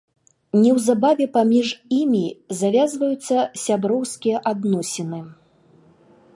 Неўзабаве паміж імі завязваюцца сяброўскія адносіны.